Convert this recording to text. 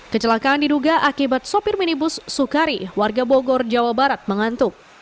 kecelakaan diduga akibat sopir minibus sukari warga bogor jawa barat mengantuk